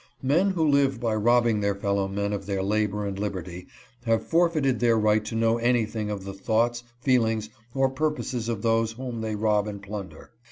Men who live by robbing their fellow men of their labor and liberty have forfeited their right to know anything of the thoughts, feelings, or purposes of those whom they rob and plunder.